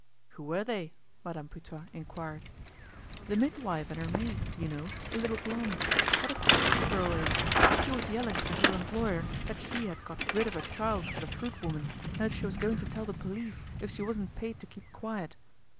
"Who were they?" Madame Putois inquired. "The midwife and her maid, you know, a little blonde. What a pest the girl is! She was yelling at her employer that she had got rid of a child for the fruit woman and that she was going to tell the police if she wasn't paid to keep quiet.